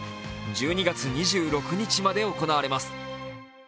１２月２６日まで行われます。